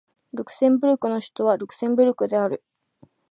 ルクセンブルクの首都はルクセンブルクである